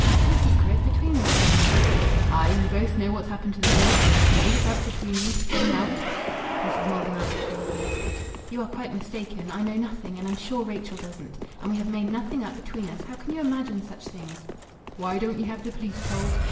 "The secret? Between Rachel and me?" "Aye! Ye both know what's happened to them notes, and ye've made it up between ye to say nowt!" Mrs. Maldon answered gravely "You are quite mistaken. I know nothing, and I'm sure Rachel doesn't. And we have made nothing up between us. How can you imagine such things?" "Why don't ye have the police told?"